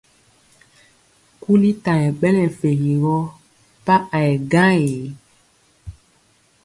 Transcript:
Kuli ta nyɛ ɓɛ nɛ fegi gɔ pa a yɛ gaŋ ee.